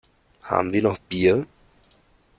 Haben wir noch Bier?